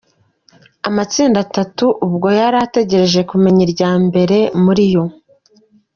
Amatsinda atatu ubwo yari ategereje kumenya irya mbere muri yo.